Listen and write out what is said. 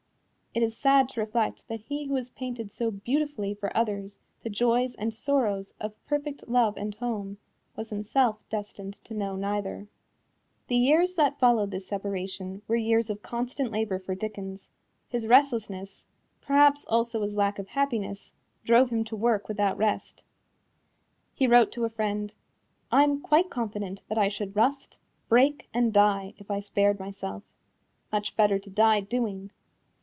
It is sad to reflect that he who has painted so beautifully for others the joys and sorrows of perfect love and home, was himself destined to know neither. The years that followed this separation were years of constant labor for Dickens. His restlessness, perhaps also his lack of happiness, drove him to work without rest. He wrote to a friend: "I am quite confident I should rust, break and die if I spared myself. Much better to die doing."